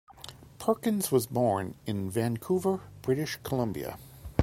Perkins was born in Vancouver, British Columbia.